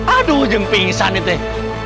aduh jengpisah nih teh